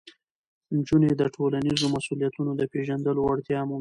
نجونې د ټولنیزو مسؤلیتونو د پېژندلو وړتیا مومي.